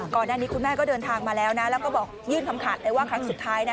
ก่อนหน้านี้คุณแม่ก็เดินทางมาแล้วนะแล้วก็บอกยื่นคำขาดเลยว่าครั้งสุดท้ายนะ